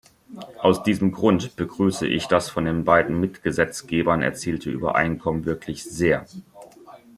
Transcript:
Aus diesem Grund begrüße ich das von den beiden Mitgesetzgebern erzielte Übereinkommen wirklich sehr.